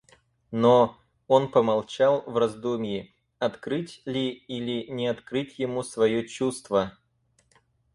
Но... — он помолчал в раздумьи, открыть ли или не открыть ему свое чувство.